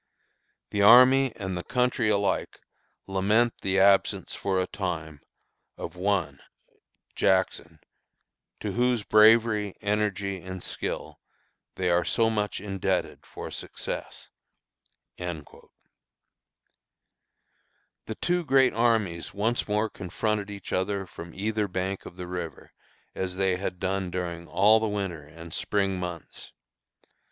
The army and the country alike lament the absence for a time of one [Jackson] to whose bravery, energy, and skill they are so much indebted for success." The two great armies once more confronted each other from either bank of the river, as they had done during all the winter and spring months.